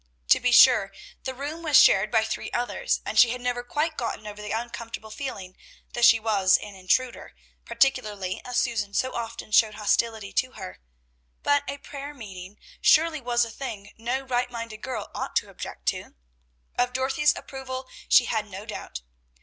To be sure, the room was shared by three others, and she had never quite gotten over the uncomfortable feeling that she was an intruder, particularly as Susan so often showed hostility to her; but a prayer meeting surely was a thing no right minded girl ought to object to. Of Dorothy's approval she had no doubt.